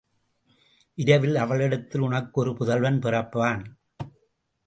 விரைவில் அவளிடத்தில் உனக்கு ஒரு புதல்வன் பிறப்பான்.